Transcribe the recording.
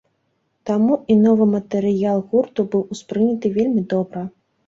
Таму і новы матэрыял гурту быў успрыняты вельмі добра.